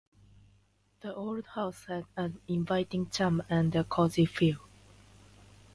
The old house had an inviting charm and a cozy feel.